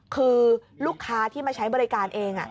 คือลูกค้าที่มาใช้บริการเอง